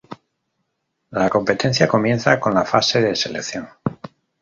La competencia comienza con la "Fase de Selección".